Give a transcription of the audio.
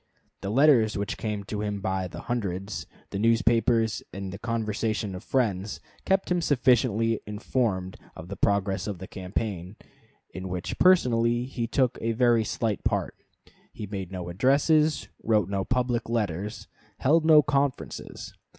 The letters which came to him by hundreds, the newspapers, and the conversation of friends, kept him sufficiently informed of the progress of the campaign, in which personally he took a very slight part. He made no addresses, wrote no public letters, held no conferences.